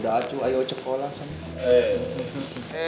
udah acu ayo sekolah sama